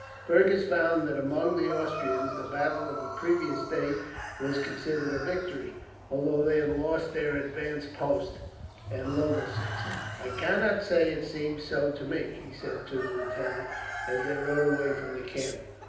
Fergus found that among the Austrians the battle of the previous day was considered a victory, although they had lost their advanced post at Lobositz. "I cannot say it seemed so to me," he said to the lieutenant, as they rode away from the camp.